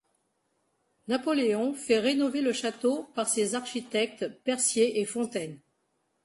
Napoléon fait rénover le château par ses architectes Percier et Fontaine.